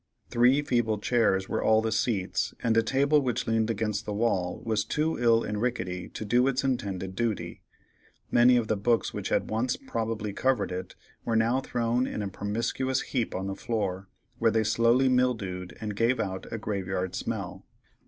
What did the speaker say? Three feeble chairs were all the seats, and a table which leaned against the wall was too ill and rickety to do its intended duty; many of the books which had once probably covered it, were now thrown in a promiscuous heap on the floor, where they slowly mildewed and gave out a graveyard smell.